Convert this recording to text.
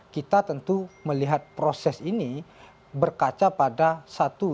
kita tentu melihat proses ini berkaca pada satu